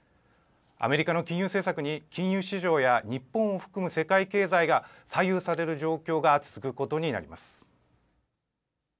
アメリカの金融政策に金融市場や日本を含む世界経済が左右される状況が続くことになります。